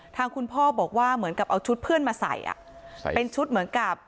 ทางคุณพ่อบอกว่าเหมือนกับเอาชุดเพื่อนมาใส่เป็นชุดเหมือนกับ